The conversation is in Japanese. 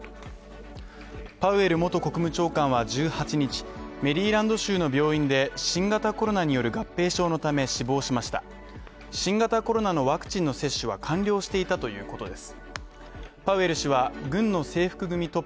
パウエル元国務長官は１８日、メリーランド州の病院で新型コロナによる合併症のため死亡しました新型コロナのワクチンの接種は完了していたということです。